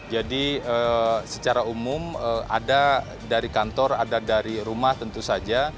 jadi secara umum ada dari kantor ada dari rumah tentu saja